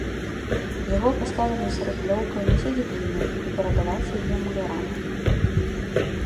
Яго паставілі з рыдлёўкай мясіць гліну і перадаваць яе мулярам.